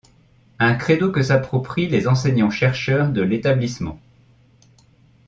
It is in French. Un crédo que s’approprient les enseignants-chercheurs de l’établissement.